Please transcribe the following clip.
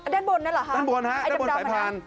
ด้านบนน่ะเหรอฮะด้านบนฝ่ายพาน